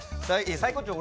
サイコッチョー！